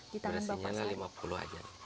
durasinya lah lima puluh aja